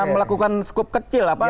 melakukan skup kecil